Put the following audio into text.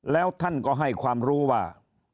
แล้วท่านก็ให้ความรู้ว่า